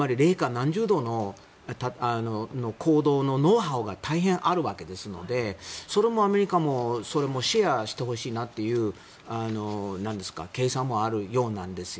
何十度の行動のノウハウが大変あるわけですのでそれもアメリカはそれもシェアしてほしいなという計算もあるようなんです。